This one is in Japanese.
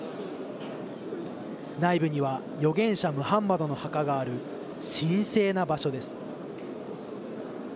内部には預言者ムハンマドの墓がある神聖な場所です。